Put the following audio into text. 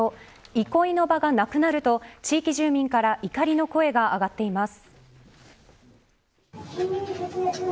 憩いの場がなくなると地域住民から怒りの声が上がっています。